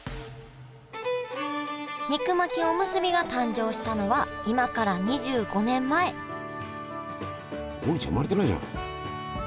肉巻きおむすびが誕生したのは今から２５年前王林ちゃん生まれてないじゃん。